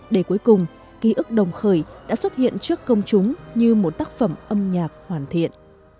để cuối cùng ký ức đồng khởi đã xuất hiện trước công chúng như một tác phẩm âm nhạc hoàn thiện